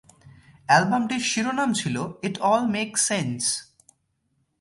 অ্যালবামটির শিরোনাম ছিল "it all makes sense".